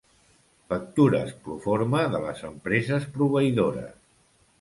Factures proforma de les empreses proveïdores.